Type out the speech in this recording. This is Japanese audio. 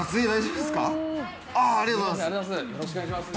ありがとうございます。